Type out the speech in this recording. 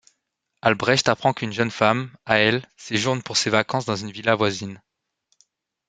Albrecht apprend qu'une jeune femme, Aels, séjourne pour ses vacances dans une villa voisine.